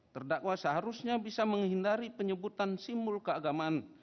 terdakwa seharusnya bisa menghindari penyebutan simbol keagamaan